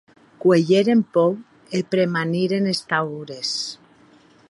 Cuelheren pòur e premaniren es taures.